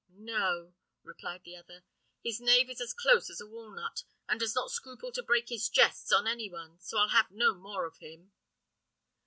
"No," replied the other. "His knave is as close as a walnut, and does not scruple to break his jests on any one, so I'll have no more of him."